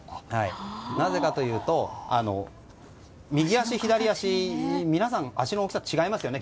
なぜかというと右足、左足で皆さん足の大きさ、違いますよね。